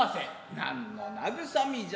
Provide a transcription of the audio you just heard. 何の慰みじゃ。